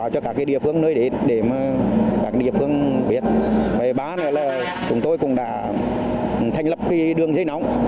chúng tôi cũng đã thành lập đường dây nóng